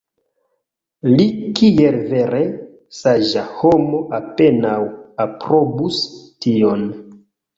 Li kiel vere saĝa homo apenaŭ aprobus tion.